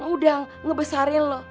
udah ngebesarin lo